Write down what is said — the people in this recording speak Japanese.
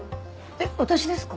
えっ私ですか？